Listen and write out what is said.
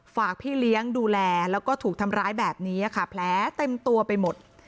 ฝากพี่เลี้ยงดูแลแล้วก็ถูกทำร้ายแบบนี้ค่ะแผลเต็มตัวไปหมด